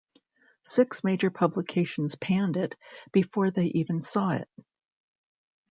Six major publications panned it before they even saw it.